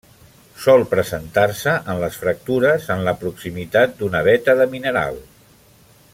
Sol presentar-se en les fractures en la proximitat d'una veta de mineral.